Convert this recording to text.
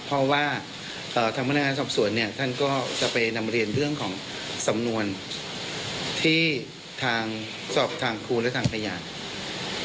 เพราะว่าทางพนักงานสอบสวนเนี่ยท่านก็จะไปนำเรียนเรื่องของสำนวนที่ทางสอบทางครูและทางพยาน